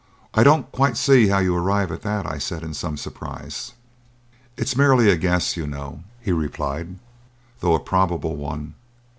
"I don't quite see how you arrive at that," I said, in some surprise. "It is merely a guess, you know," he replied, "though a probable one.